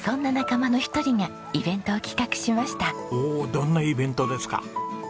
どんなイベントですか？